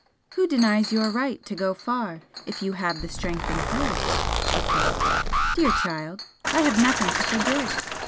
"Who denies your right to go far if you have the strength and courage?" he said "Dear child, I have nothing to forgive!